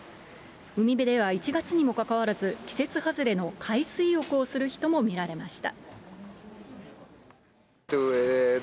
海辺では１月にもかかわらず、季節外れの海水浴をする人も見られました。